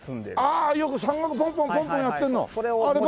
ああよく山岳ポンポンポンポンやってんのあれバーラル？